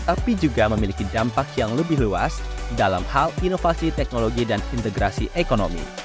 tapi juga memiliki dampak yang lebih luas dalam hal inovasi teknologi dan integrasi ekonomi